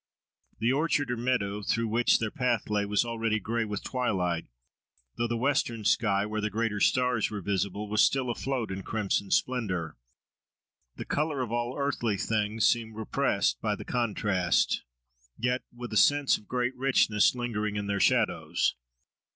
The orchard or meadow, through which their path lay, was already gray with twilight, though the western sky, where the greater stars were visible, was still afloat in crimson splendour. The colour of all earthly things seemed repressed by the contrast, yet with a sense of great richness lingering in their shadows.